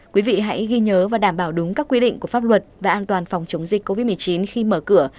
quý vị hãy ghi nhớ và đảm bảo đúng các quy định của pháp luật và an toàn phòng chống dịch covid một mươi chín khi mở cửa